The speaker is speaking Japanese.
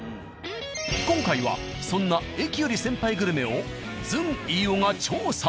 今回はそんな「駅より先輩グルメ」をずん飯尾が調査。